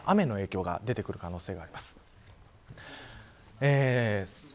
明日の午前中から雨の影響が出てくる可能性があります。